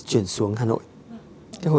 chứ không ẩm ý làm gì